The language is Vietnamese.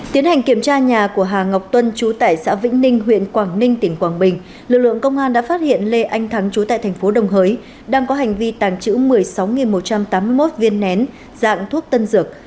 tiến hành kiểm tra nhà của hà ngọc tuân trú tại xã vĩnh ninh huyện quảng ninh tỉnh quảng bình lực lượng công an đã phát hiện lê anh thắng trú tại thành phố đồng hới đang có hành vi tàng trữ một mươi sáu một trăm tám mươi một viên nén dạng thuốc tân dược